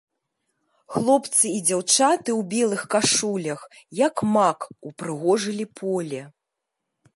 Хлопцы і дзяўчаты ў белых кашулях, як мак, упрыгожылі поле.